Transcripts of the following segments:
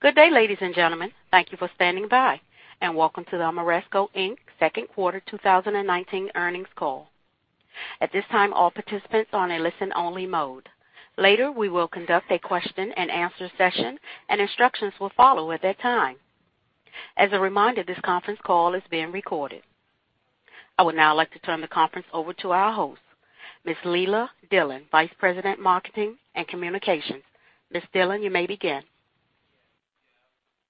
Good day, ladies and gentlemen. Thank you for standing by, and welcome to the Ameresco, Inc second quarter 2019 earnings call. At this time, all participants are on a listen-only mode. Later, we will conduct a question-and-answer session, and instructions will follow at that time. As a reminder, this conference call is being recorded. I would now like to turn the conference over to our host, Ms. Leila Dillon, Vice President, Marketing and Communications. Ms. Dillon, you may begin.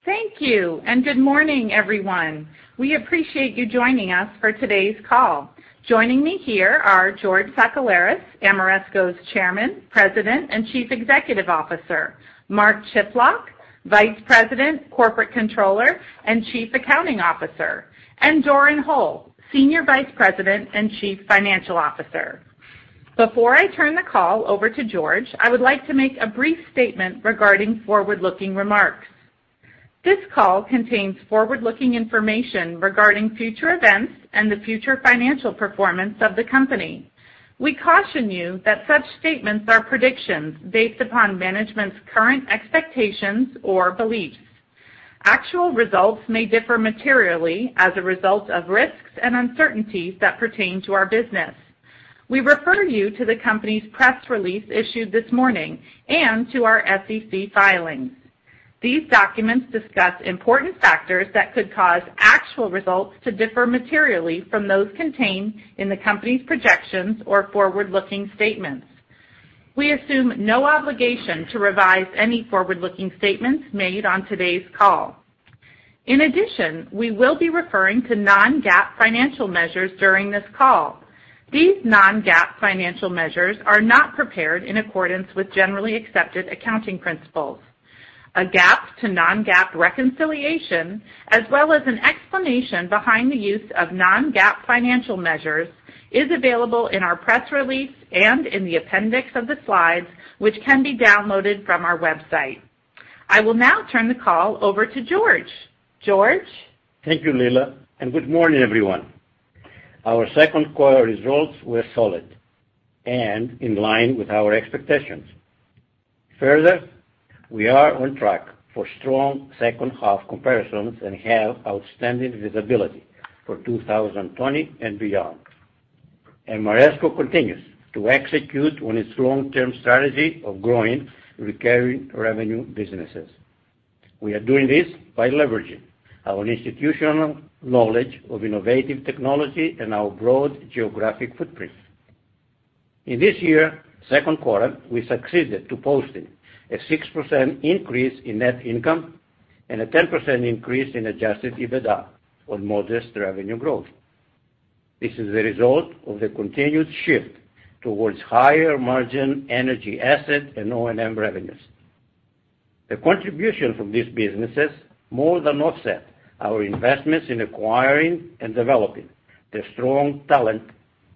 Thank you, and good morning, everyone. We appreciate you joining us for today's call. Joining me here are George Sakellaris, Ameresco's Chairman, President, and Chief Executive Officer, Mark Chiplock, Vice President, Corporate Controller, and Chief Accounting Officer, and Doran Hole, Senior Vice President and Chief Financial Officer. Before I turn the call over to George, I would like to make a brief statement regarding forward-looking remarks. This call contains forward-looking information regarding future events and the future financial performance of the company. We caution you that such statements are predictions based upon management's current expectations or beliefs. Actual results may differ materially as a result of risks and uncertainties that pertain to our business. We refer you to the company's press release issued this morning and to our SEC filings. These documents discuss important factors that could cause actual results to differ materially from those contained in the company's projections or forward-looking statements. We assume no obligation to revise any forward-looking statements made on today's call. In addition, we will be referring to non-GAAP financial measures during this call. These non-GAAP financial measures are not prepared in accordance with generally accepted accounting principles. A GAAP to non-GAAP reconciliation, as well as an explanation behind the use of non-GAAP financial measures, is available in our press release and in the appendix of the slides, which can be downloaded from our website. I will now turn the call over to George. George? Thank you, Leila, and good morning, everyone. Our second quarter results were solid and in line with our expectations. Further, we are on track for strong second-half comparisons and have outstanding visibility for 2020 and beyond. Ameresco continues to execute on its long-term strategy of growing recurring revenue businesses. We are doing this by leveraging our institutional knowledge of innovative technology and our broad geographic footprint. In this year, second quarter, we succeeded to posting a 6% increase in net income and a 10% increase in Adjusted EBITDA on modest revenue growth. This is the result of the continued shift towards higher-margin energy asset and O&M revenues. The contribution from these businesses more than offset our investments in acquiring and developing the strong talent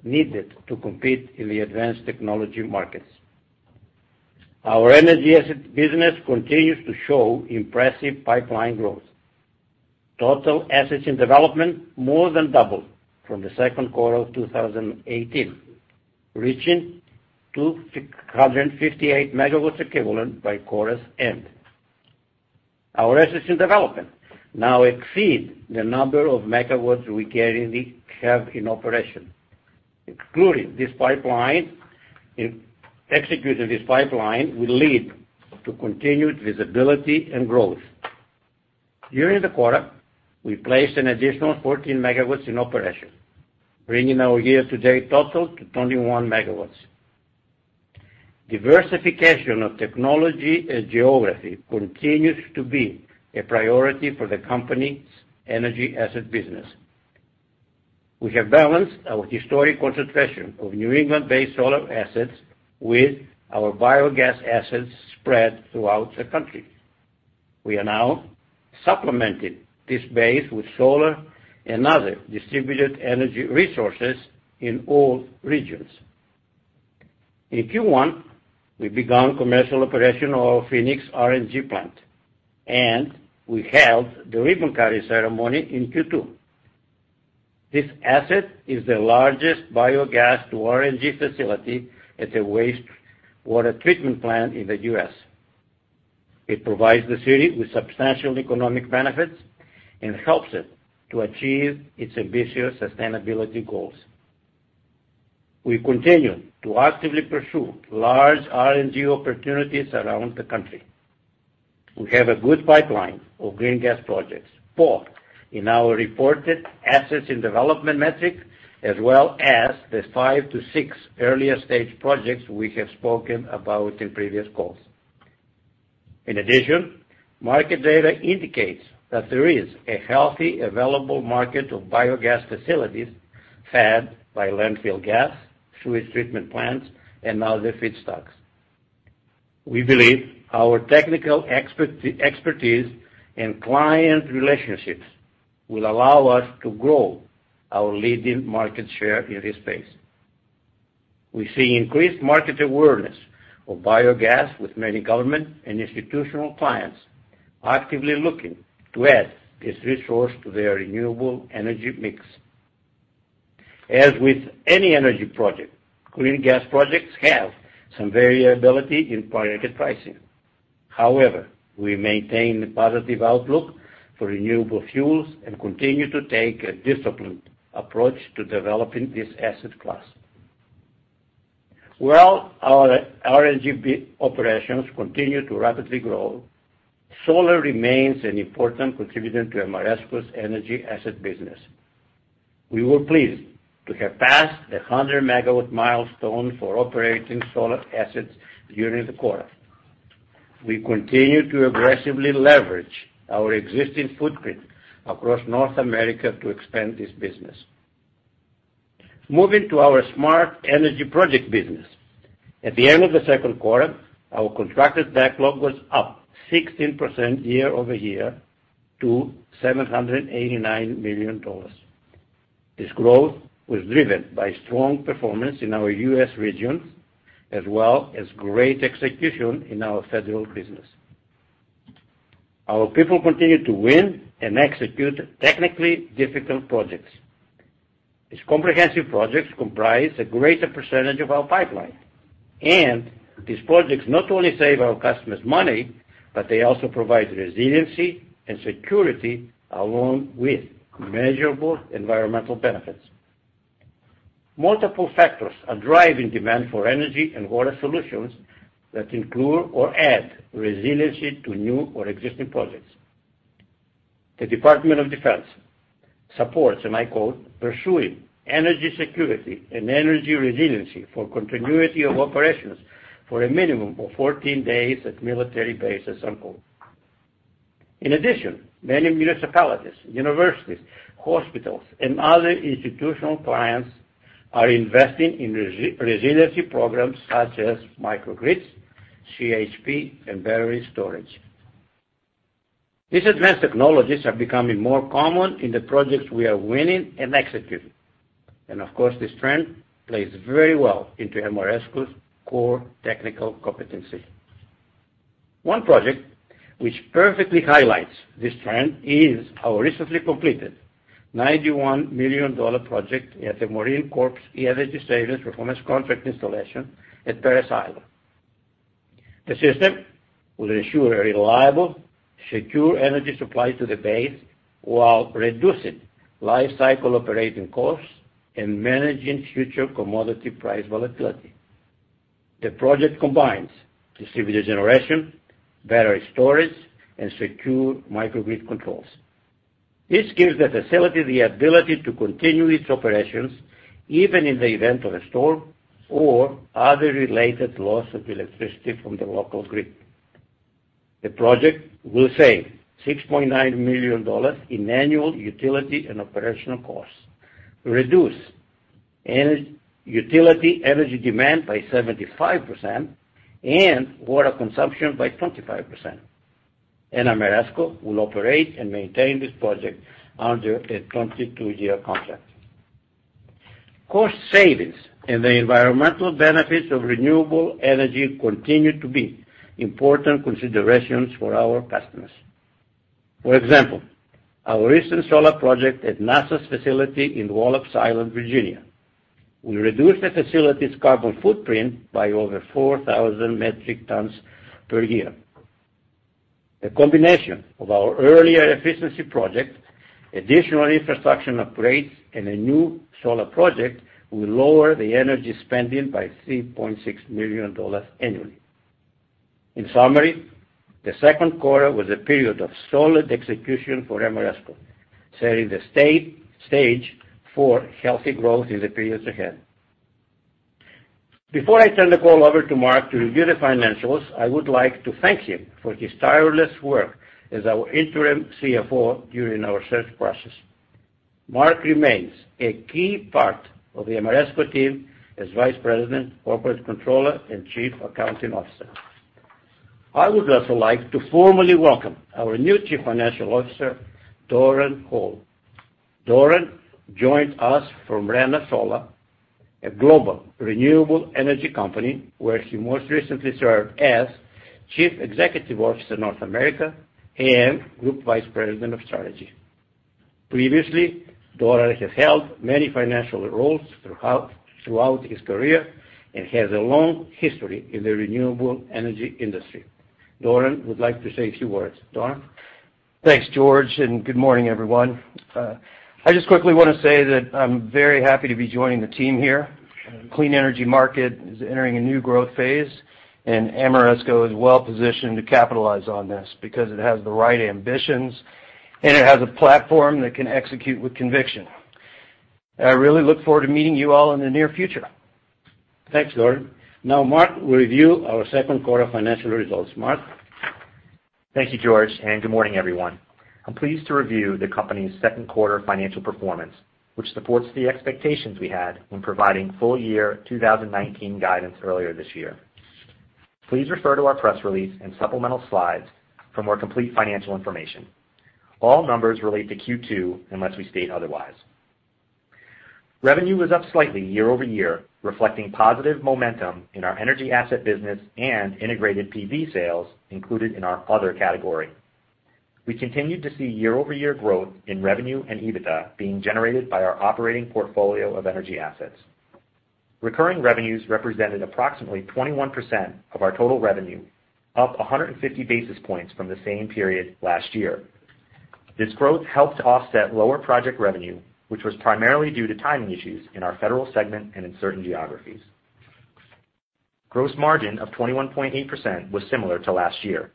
needed to compete in the advanced technology markets. Our energy asset business continues to show impressive pipeline growth. Total assets in development more than doubled from the second quarter of 2018, reaching 258 MW equivalent by quarter's end. Our assets in development now exceed the number of megawatts we currently have in operation. Including this pipeline, in executing this pipeline will lead to continued visibility and growth. During the quarter, we placed an additional 14 MW in operation, bringing our year-to-date total to 21 MW. Diversification of technology and geography continues to be a priority for the company's energy asset business. We have balanced our historic concentration of New England-based solar assets with our biogas assets spread throughout the country. We are now supplementing this base with solar and other distributed energy resources in all regions. In Q1, we began commercial operation of our Phoenix RNG plant, and we held the ribbon-cutting ceremony in Q2. This asset is the largest biogas to RNG facility at a wastewater treatment plant in the U.S. It provides the city with substantial economic benefits and helps it to achieve its ambitious sustainability goals. We continue to actively pursue large RNG opportunities around the country. We have a good pipeline of green gas projects, both in our reported assets in development metric, as well as the five to six earlier-stage projects we have spoken about in previous calls. In addition, market data indicates that there is a healthy, available market of biogas facilities fed by landfill gas, sewage treatment plants, and other feedstocks. We believe our technical expertise and client relationships will allow us to grow our leading market share in this space. We see increased market awareness of biogas, with many government and institutional clients actively looking to add this resource to their renewable energy mix.... As with any energy project, clean gas projects have some variability in project pricing. However, we maintain a positive outlook for renewable fuels and continue to take a disciplined approach to developing this asset class. While our RNG operations continue to rapidly grow, solar remains an important contributor to Ameresco's energy asset business. We were pleased to have passed the 100-megawatt milestone for operating solar assets during the quarter. We continue to aggressively leverage our existing footprint across North America to expand this business. Moving to our smart energy project business. At the end of the second quarter, our contracted backlog was up 16% year-over-year to $789 million. This growth was driven by strong performance in our U.S. regions, as well as great execution in our federal business. Our people continue to win and execute technically difficult projects. These comprehensive projects comprise a greater percentage of our pipeline, and these projects not only save our customers money, but they also provide resiliency and security, along with measurable environmental benefits. Multiple factors are driving demand for energy and water solutions that include or add resiliency to new or existing projects. The Department of Defense supports, and I quote, "Pursuing energy security and energy resiliency for continuity of operations for a minimum of 14 days at military bases," unquote. In addition, many municipalities, universities, hospitals, and other institutional clients are investing in resiliency programs such as microgrids, CHP, and battery storage. These advanced technologies are becoming more common in the projects we are winning and executing, and of course, this trend plays very well into Ameresco's core technical competency. One project which perfectly highlights this trend is our recently completed $91 million project at the Marine Corps Energy Savings Performance Contract installation at Parris Island. The system will ensure a reliable, secure energy supply to the base while reducing lifecycle operating costs and managing future commodity price volatility. The project combines distributed generation, battery storage, and secure microgrid controls. This gives the facility the ability to continue its operations, even in the event of a storm or other related loss of electricity from the local grid. The project will save $6.9 million in annual utility and operational costs, reduce utility energy demand by 75% and water consumption by 25%, and Ameresco will operate and maintain this project under a 22-year contract. Cost savings and the environmental benefits of renewable energy continue to be important considerations for our customers. For example, our recent solar project at NASA's facility in Wallops Island, Virginia, will reduce the facility's carbon footprint by over 4,000 metric tons per year. A combination of our earlier efficiency project, additional infrastructure upgrades, and a new solar project will lower the energy spending by $3.6 million annually. In summary, the second quarter was a period of solid execution for Ameresco, setting the stage for healthy growth in the periods ahead. Before I turn the call over to Mark to review the financials, I would like to thank him for his tireless work as our interim CFO during our search process. Mark remains a key part of the Ameresco team as Vice President, Corporate Controller, and Chief Accounting Officer. I would also like to formally welcome our new Chief Financial Officer, Doran Hole. Doran joined us from ReneSola, a global renewable energy company, where he most recently served as Chief Executive Officer, North America, and Group Vice President of Strategy. Previously, Doran has held many financial roles throughout his career and has a long history in the renewable energy industry. Doran would like to say a few words. Doran? Thanks, George, and good morning, everyone. I just quickly want to say that I'm very happy to be joining the team here. Clean energy market is entering a new growth phase, and Ameresco is well positioned to capitalize on this because it has the right ambitions, and it has a platform that can execute with conviction. I really look forward to meeting you all in the near future. Thanks, Doran. Now Mark will review our second quarter financial results. Mark? Thank you, George, and good morning, everyone. I'm pleased to review the company's second quarter financial performance, which supports the expectations we had when providing full year 2019 guidance earlier this year. Please refer to our press release and supplemental slides for more complete financial information. All numbers relate to Q2, unless we state otherwise. Revenue was up slightly year-over-year, reflecting positive momentum in our energy asset business and integrated PV sales included in our other category.... We continued to see year-over-year growth in revenue and EBITDA being generated by our operating portfolio of energy assets. Recurring revenues represented approximately 21% of our total revenue, up 150 basis points from the same period last year. This growth helped to offset lower project revenue, which was primarily due to timing issues in our federal segment and in certain geographies. Gross margin of 21.8% was similar to last year.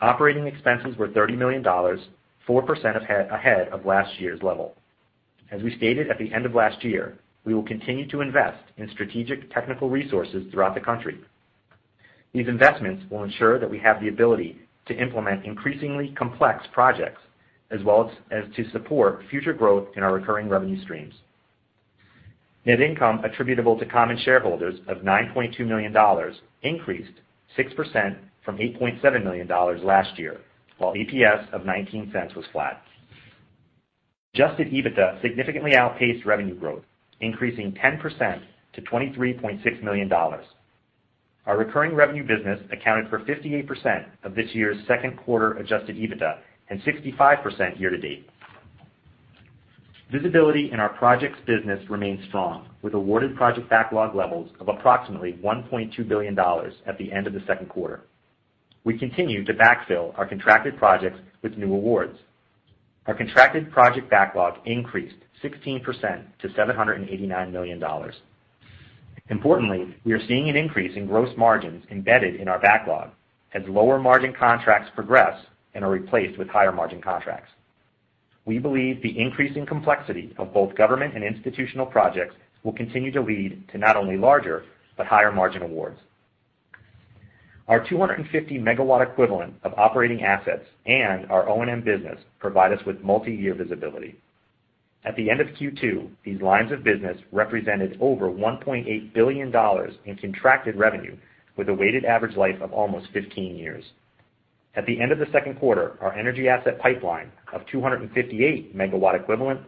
Operating expenses were $30 million, 4% ahead of last year's level. As we stated at the end of last year, we will continue to invest in strategic technical resources throughout the country. These investments will ensure that we have the ability to implement increasingly complex projects, as well as to support future growth in our recurring revenue streams. Net income attributable to common shareholders of $9.2 million increased 6% from $8.7 million last year, while EPS of $0.19 was flat. Adjusted EBITDA significantly outpaced revenue growth, increasing 10% to $23.6 million. Our recurring revenue business accounted for 58% of this year's second quarter adjusted EBITDA and 65% year-to-date. Visibility in our projects business remains strong, with awarded project backlog levels of approximately $1.2 billion at the end of the second quarter. We continue to backfill our contracted projects with new awards. Our contracted project backlog increased 16% to $789 million. Importantly, we are seeing an increase in gross margins embedded in our backlog as lower-margin contracts progress and are replaced with higher-margin contracts. We believe the increasing complexity of both government and institutional projects will continue to lead to not only larger, but higher-margin awards. Our 250 MW equivalent of operating assets and our O&M business provide us with multiyear visibility. At the end of Q2, these lines of business represented over $1.8 billion in contracted revenue, with a weighted average life of almost 15 years. At the end of the second quarter, our energy asset pipeline of 258 MW equivalent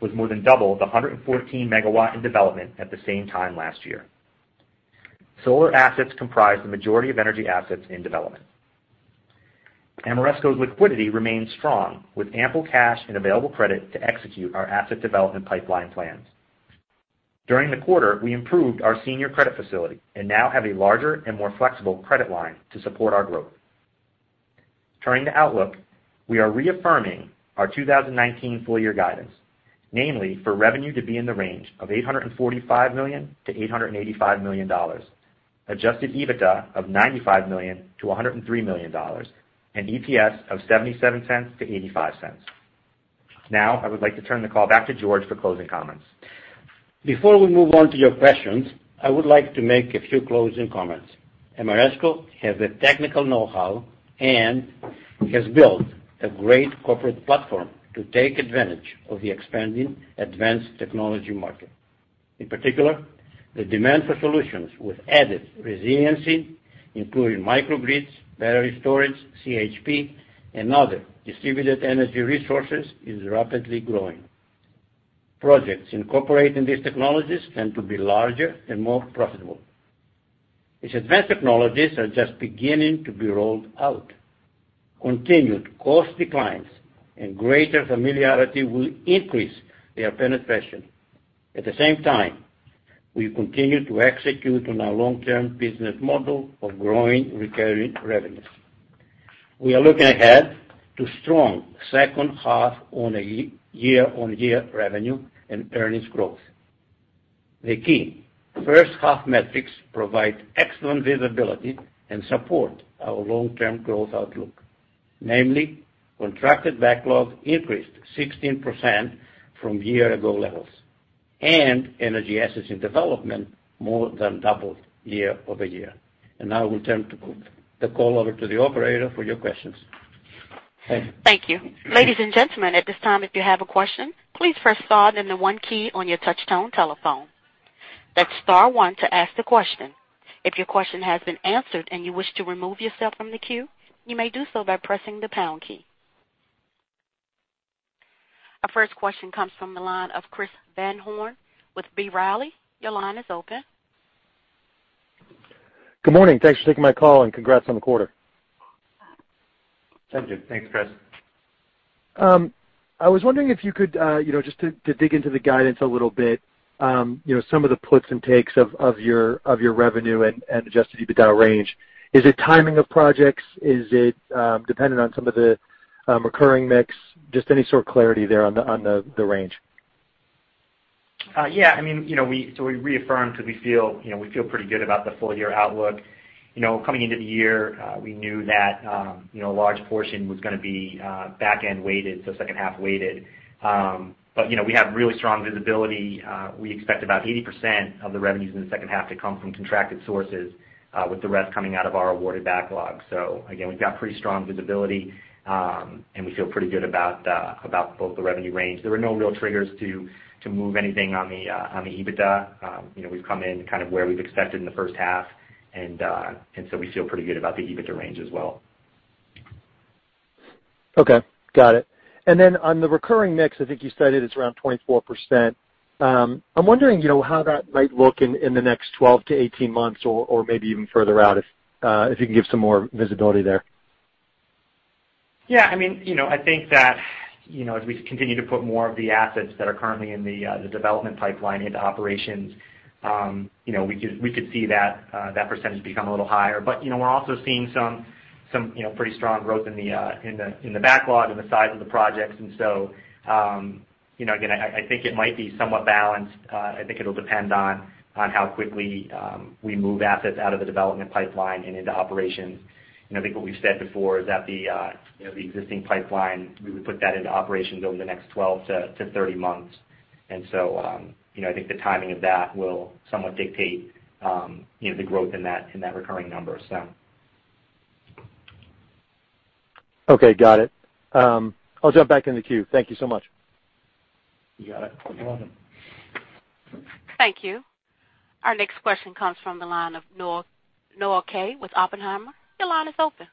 was more than double the 114 MW in development at the same time last year. Solar assets comprise the majority of energy assets in development. Ameresco's liquidity remains strong, with ample cash and available credit to execute our asset development pipeline plans. During the quarter, we improved our senior credit facility and now have a larger and more flexible credit line to support our growth. Turning to outlook, we are reaffirming our 2019 full-year guidance, namely for revenue to be in the range of $845 million-$885 million, adjusted EBITDA of $95 million-$103 million, and EPS of $0.77-$0.85. Now, I would like to turn the call back to George for closing comments. Before we move on to your questions, I would like to make a few closing comments. Ameresco has the technical know-how and has built a great corporate platform to take advantage of the expanding advanced technology market. In particular, the demand for solutions with added resiliency, including microgrids, battery storage, CHP, and other distributed energy resources, is rapidly growing. Projects incorporating these technologies tend to be larger and more profitable. These advanced technologies are just beginning to be rolled out. Continued cost declines and greater familiarity will increase their penetration. At the same time, we continue to execute on our long-term business model of growing recurring revenues. We are looking ahead to strong second half on a year-on-year revenue and earnings growth. The key first half metrics provide excellent visibility and support our long-term growth outlook. Namely, contracted backlog increased 16% from year-ago levels, and energy assets in development more than doubled year-over-year. Now I will turn the call over to the operator for your questions. Thank you. Thank you. Ladies and gentlemen, at this time, if you have a question, please press star then the one key on your touchtone telephone. That's star one to ask a question. If your question has been answered and you wish to remove yourself from the queue, you may do so by pressing the pound key. Our first question comes from the line of Chris Van Horn with B. Riley. Your line is open. Good morning. Thanks for taking my call, and congrats on the quarter. Thank you. Thanks, Chris. I was wondering if you could, you know, just to dig into the guidance a little bit, you know, some of the puts and takes of your revenue and Adjusted EBITDA range. Is it timing of projects? Is it dependent on some of the recurring mix? Just any sort of clarity there on the range. Yeah, I mean, you know, so we reaffirmed because we feel, you know, we feel pretty good about the full-year outlook. You know, coming into the year, we knew that, you know, a large portion was gonna be, back-end weighted, so second-half weighted. But, you know, we have really strong visibility. We expect about 80% of the revenues in the second half to come from contracted sources, with the rest coming out of our awarded backlog. So again, we've got pretty strong visibility, and we feel pretty good about, about both the revenue range. There were no real triggers to move anything on the, on the EBITDA. You know, we've come in kind of where we've expected in the first half, and, and so we feel pretty good about the EBITDA range as well. Okay, got it. Then on the recurring mix, I think you said it's around 24%. I'm wondering, you know, how that might look in the next 12-18 months or maybe even further out, if you can give some more visibility there? Yeah, I mean, you know, I think that, you know, as we continue to put more of the assets that are currently in the development pipeline into operations, you know, we could, we could see that, that percentage become a little higher. But, you know, we're also seeing some you know, pretty strong growth in the backlog and the size of the projects. And so, you know, again, I think it might be somewhat balanced. I think it'll depend on how quickly we move assets out of the development pipeline and into operations. You know, I think what we've said before is that the existing pipeline, we would put that into operations over the next 12-30 months. And so, you know, I think the timing of that will somewhat dictate, you know, the growth in that, in that recurring number, so. Okay, got it. I'll jump back in the queue. Thank you so much. You got it. You're welcome. Thank you. Our next question comes from the line of Noah, Noah Kaye with Oppenheimer. Your line is open.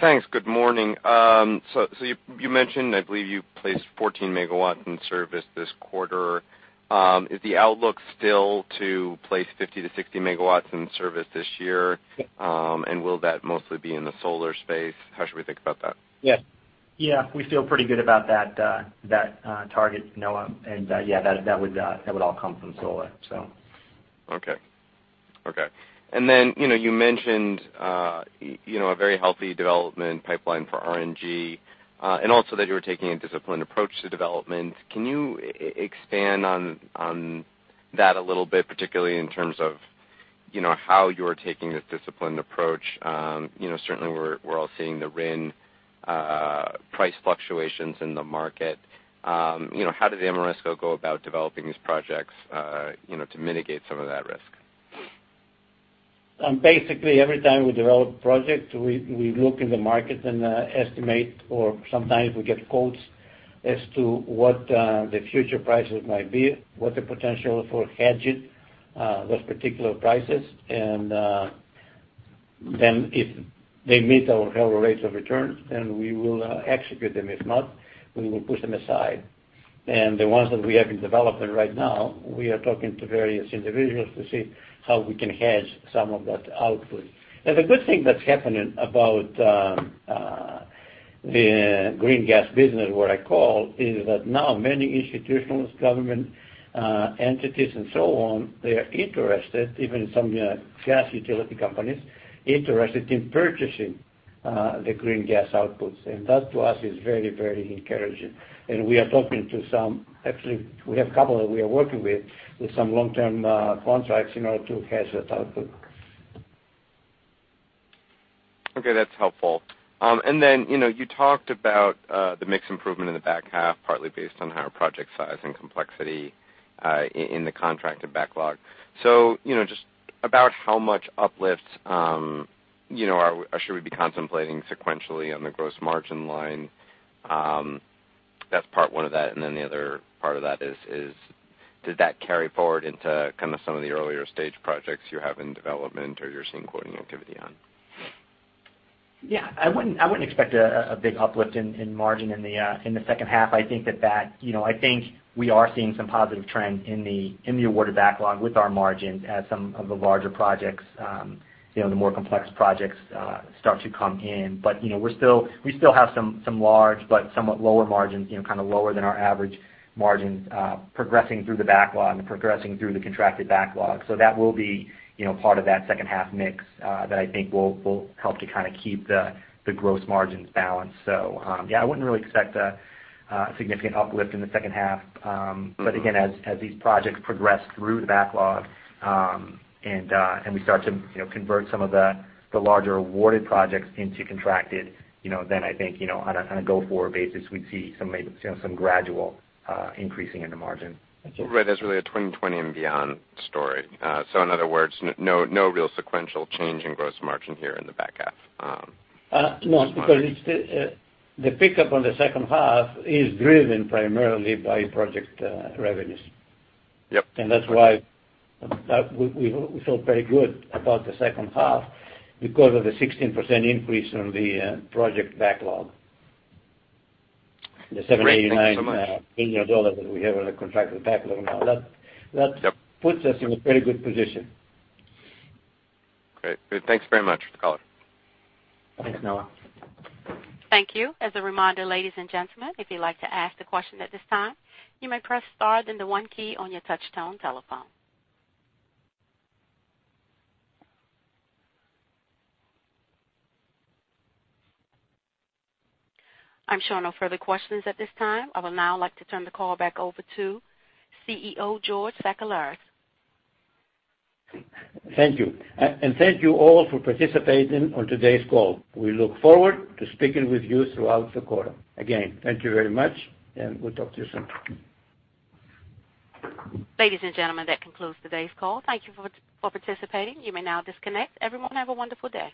Thanks. Good morning. So you mentioned, I believe you placed 14 MW in service this quarter. Is the outlook still to place 50 MW-60 MW in service this year? Yes. Will that mostly be in the solar space? How should we think about that? Yes. Yeah, we feel pretty good about that target, Noah. And, yeah, that would all come from solar, so. Okay. Okay. And then, you know, you mentioned, you know, a very healthy development pipeline for RNG, and also that you were taking a disciplined approach to development. Can you expand on that a little bit, particularly in terms of, you know, how you're taking this disciplined approach? You know, certainly we're all seeing the RIN price fluctuations in the market. You know, how does Ameresco go about developing these projects, you know, to mitigate some of that risk? Basically, every time we develop projects, we look in the market and estimate, or sometimes we get quotes as to what the future prices might be, what the potential for hedging those particular prices. And then if they meet our hurdle rates of returns, then we will execute them. If not, we will push them aside. And the ones that we have in development right now, we are talking to various individuals to see how we can hedge some of that output. And the good thing that's happening about the green gas business, what I call, is that now many institutions, government entities and so on, they are interested, even some gas utility companies, interested in purchasing the green gas outputs. And that to us is very, very encouraging. We are talking to some, actually, we have a couple that we are working with, with some long-term contracts in order to hedge that output. Okay, that's helpful. And then, you know, you talked about the mix improvement in the back half, partly based on higher project size and complexity in the contracted backlog. So, you know, just about how much uplifts, you know, are, or should we be contemplating sequentially on the gross margin line? That's part one of that, and then the other part of that is, does that carry forward into kind of some of the earlier stage projects you have in development or you're seeing quoting activity on? Yeah, I wouldn't expect a big uplift in margin in the second half. I think that, you know, I think we are seeing some positive trend in the awarded backlog with our margin as some of the larger projects, you know, the more complex projects start to come in. But, you know, we still have some large but somewhat lower margins, you know, kind of lower than our average margins progressing through the backlog and progressing through the contracted backlog. So that will be, you know, part of that second half mix that I think will help to kind of keep the gross margins balanced. So, yeah, I wouldn't really expect a significant uplift in the second half. But again, as these projects progress through the backlog, and we start to, you know, convert some of the larger awarded projects into contracted, you know, then I think, you know, on a go-forward basis, we'd see some, you know, some gradual increasing in the margin. Right. That's really a 2020 and beyond story. So in other words, no, no real sequential change in gross margin here in the back half, No, because it's the pickup on the second half is driven primarily by project revenues. Yep. That's why we feel very good about the second half because of the 16% increase on the project backlog. The $789- Great. Thank you so much. $1 billion that we have on the contracted backlog now. Yep. That puts us in a very good position. Great. Good. Thanks very much for the call. Thanks, Noah. Thank you. As a reminder, ladies and gentlemen, if you'd like to ask a question at this time, you may press star then the one key on your touchtone telephone. I'm showing no further questions at this time. I will now like to turn the call back over to CEO George Sakellaris. Thank you. Thank you all for participating on today's call. We look forward to speaking with you throughout the quarter. Again, thank you very much, and we'll talk to you soon. Ladies and gentlemen, that concludes today's call. Thank you for, for participating. You may now disconnect. Everyone, have a wonderful day.